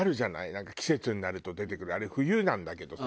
なんか季節になると出てくるあれ冬なんだけどさ。